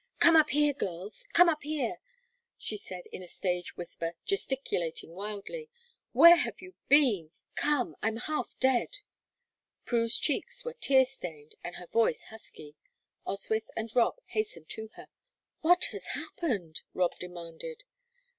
"Come up here, girls, come up here," she said, in a stage whisper, gesticulating wildly. "Where have you been? Come; I'm half dead." Prue's cheeks were tear stained and her voice husky; Oswyth and Rob hastened to her. "What has happened?" Rob demanded.